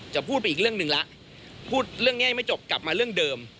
พูดไปอีกเรื่องหนึ่งแล้วพูดเรื่องนี้ยังไม่จบกลับมาเรื่องเดิม